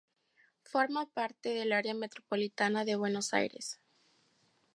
Forma parte del Área Metropolitana de Buenos Aires.